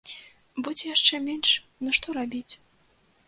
Будзе яшчэ менш, ну што рабіць.